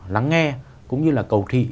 lắng nghe cũng như là cầu thị